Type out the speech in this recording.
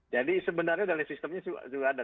jadi sebenarnya dalam sistemnya juga ada